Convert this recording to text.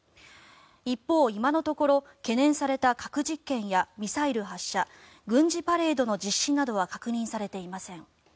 一方、今のところ懸念された核実験やミサイル発射軍事パレードの実施などは確認されていません。